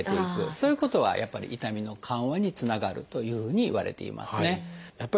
そういうことはやっぱり痛みの緩和につながるというふうにいわれていますね。